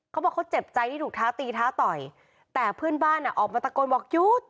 เขาบอกเขาเจ็บใจที่ถูกท้าตีท้าต่อยแต่เพื่อนบ้านอ่ะออกมาตะโกนบอกหยุด